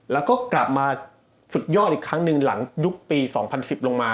แล้วก็กลับมาฝึกยอดอีกครั้งหนึ่งหลังยุคปี๒๐๑๐ลงมา